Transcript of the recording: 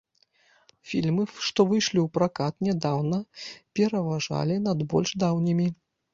Фільмы, што выйшлі ў пракат нядаўна, пераважалі над больш даўнімі.